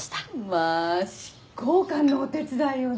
まあ執行官のお手伝いをねえ！